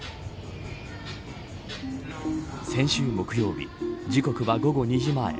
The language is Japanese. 先週木曜日時刻は午後２時前。